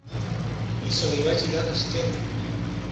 I se li va girar d'esquena.